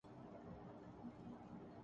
اس ملاقات میں K K پال